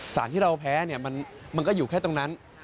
สารที่เราแพ้มันก็อยู่แค่ตรงนั้น